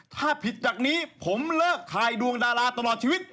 ถ้าผิดจากนี้ผมเลิกถ่ายดวงดาราตลอดชีวิต